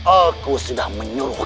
aku sudah menurutmu